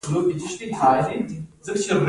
د انځر مېوه ډیره ګټوره ده